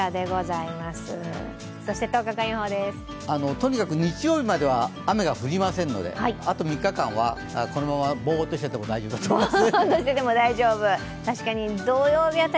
とにかく日曜日まで雨は降りませんので、あと３日間はこのままボーっとしていても大丈夫です。